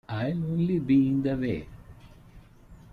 I'll only be in the way.